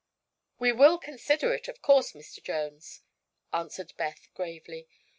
"We will consider it, of course, Mr. Jones," answered Beth gravely.